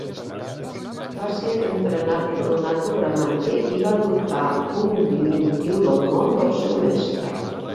Va ser entrenat per Donato Bramante, i va adoptar un diminutiu del nom del seu mestre.